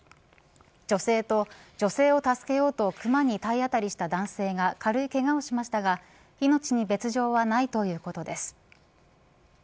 女性と女性を助けようとクマに体当たりした男性が軽いけがをしましたが命に別条はないということです。